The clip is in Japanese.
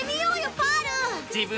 パール！